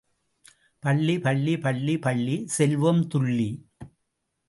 பள்ளி, பள்ளி, பள்ளி பள்ளி செல்வோம் துள்ளி.